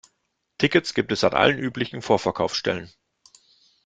Tickets gibt es an allen üblichen Vorverkaufsstellen.